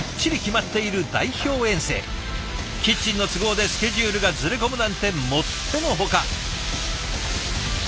キッチンの都合でスケジュールがずれ込むなんてもってのほか。